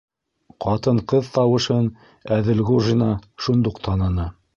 Ҡатын-ҡыҙ тауышын Әҙелғужина шундуҡ таныны: